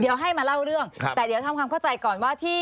เดี๋ยวให้มาเล่าเรื่องแต่เดี๋ยวทำความเข้าใจก่อนว่าที่